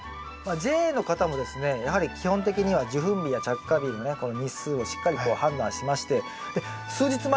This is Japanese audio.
ＪＡの方もですねやはり基本的には受粉日や着果日のねこの日数をしっかりと判断しまして数日前に試し切りをしてるそうです。